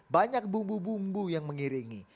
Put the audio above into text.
banyak bumbu bumbu yang mengiringi